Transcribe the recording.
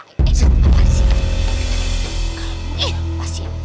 eh apaan sih